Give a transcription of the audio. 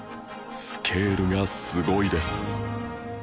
スケールがすごいです